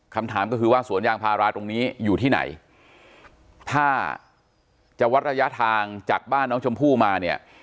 คำถามก็คือว่าสวนยางพาราตรงนี้อยู่ที่ไหนถ้าจะวัดระยะทางจากบ้านน้องชมพู่มาเนี่ย